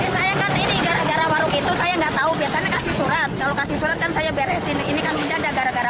saya nggak tahu biasanya kasih surat kalau kasih surat kan saya beresin ini kan mendadak gara gara